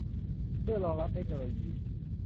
เพื่อรองรับเทคโนโลยี